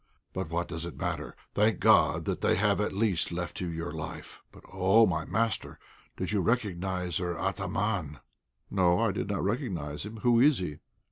But what does it matter? Thank God that they have at least left you your life! But oh! my master, did you recognize their 'atamán?'" "No, I did not recognize him. Who is he?"